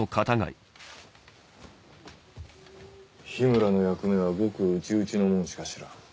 緋村の役目はごく内々の者しか知らん。